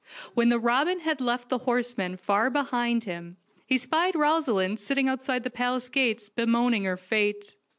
When the robin had left the horsemen far behind him he spied Rosaleen sitting outside the palace gates bemoaning her fate.